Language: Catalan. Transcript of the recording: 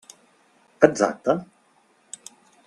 Exacte.